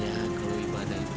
ya aku ibadah ibu